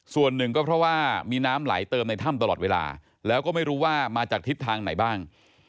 ส่วนหนึ่งก็เพราะว่ามีน้ำไหลเติมในถ้ำตลอดเวลาแล้วก็ไม่รู้ว่ามาจากทิศทางไหนบ้าง